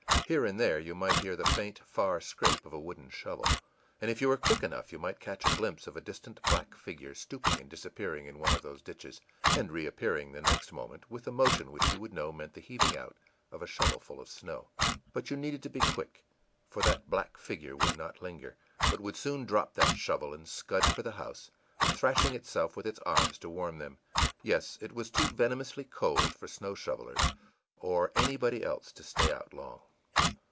Here and there you might hear the faint, far scrape of a wooden shovel, and if you were quick enough you might catch a glimpse of a distant black figure stooping and disappearing in one of those ditches, and reappearing the next moment with a motion which you would know meant the heaving out of a shovelful of snow. But you needed to be quick, for that black figure would not linger, but would soon drop that shovel and scud for the house, thrashing itself with its arms to warm them. Yes, it was too venomously cold for snow shovelers or anybody else to stay out long.